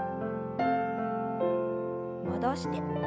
戻して。